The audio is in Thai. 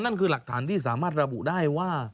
นั่นคือหลักฐานที่สามารถระบุได้ว่า